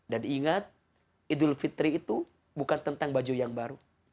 dan ingat idul fitri itu bukan tentang baju yang baru